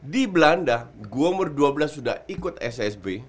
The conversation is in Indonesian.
di belanda gue umur dua belas sudah ikut ssb